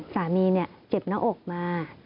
สามีเนี่ยเจ็บหน้าอกมา